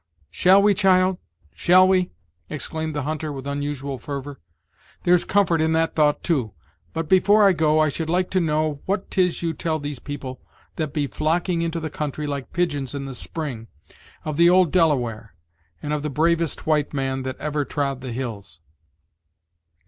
"Shall we, child, shall we?" exclaimed the hunter, with unusual fervor, "there's comfort in that thought too. But before I go, I should like to know what 'tis you tell these people, that be flocking into the country like pigeons in the spring, of the old Delaware, and of the bravest white man that ever trod the hills?"